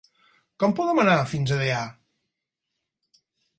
Com podem anar fins a Deià?